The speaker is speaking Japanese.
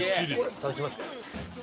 いただきます。